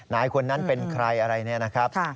นายคนนั้นเป็นใครอะไรเนี่ยนะครับ